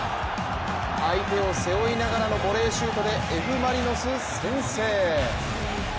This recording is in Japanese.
相手を背負いながらのボレーシュートでＦ・マリノス、先制。